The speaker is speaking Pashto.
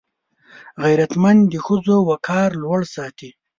غیرتمند د ښځو وقار لوړ ساتي